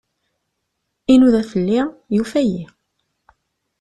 Inuda fell-i, yufa-iyi.